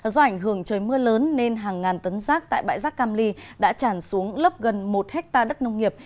do ảnh hưởng trời mưa lớn nên hàng ngàn tấn rác tại bãi rác cam ly đã tràn xuống lấp gần một hectare đất nông nghiệp